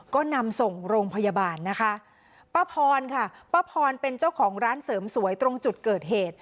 ก็นำส่งโรงพยาบาลนะคะป้าพรค่ะป้าพรเป็นเจ้าของร้านเสริมสวยตรงจุดเกิดเหตุ